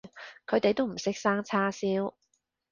佢哋都唔識生叉燒